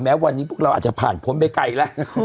วันนี้พวกเราอาจจะผ่านพ้นไปไกลแล้ว